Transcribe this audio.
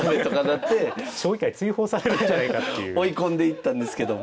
追い込んでいったんですけども。